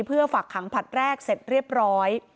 เพื่อฝากขังผลัดแรกเสร็จเรียบร้อย